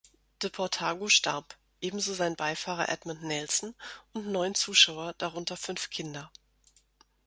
De Portago starb, ebenso sein Beifahrer Edmund Nelson und neun Zuschauer, darunter fünf Kinder.